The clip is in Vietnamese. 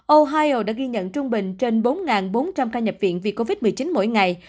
ohio đã ghi nhận trung bình trên bốn bốn trăm linh ca nhập viện vì covid một mươi chín mỗi ngày